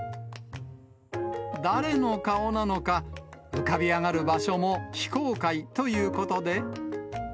誰の顔なのか、浮かび上がる場所も非公開ということで。